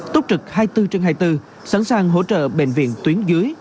túc trực hai mươi bốn trên hai mươi bốn sẵn sàng hỗ trợ bệnh viện tuyến dưới